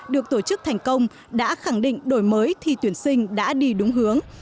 được tổ chức thành công đã khẳng định đổi mới thi tuyển sinh đã đi đúng hướng